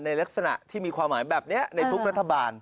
ในลักษณะที่มีความหมายแบบนี้ในทุกรัฐบาล